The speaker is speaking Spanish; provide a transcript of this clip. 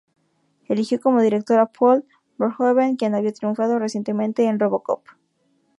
Eligió como director a Paul Verhoeven, quien había triunfado recientemente con "RoboCop".